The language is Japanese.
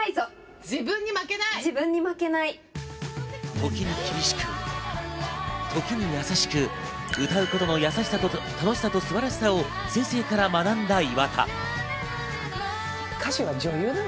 時には厳しく、時には優しく、歌うことの優しさと楽しさと素晴らしさを先生から学んだ岩田。